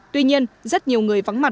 tuy nhiên rất nhiều người vắng mặt